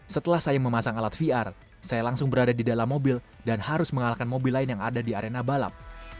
setelah saya memasang alat vr saya langsung berada di dalam mobil dan harus mengalahkan mobil lain yang ada di arena balap